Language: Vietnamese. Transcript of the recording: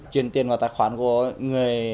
chuyển tiền vào tài khoản của người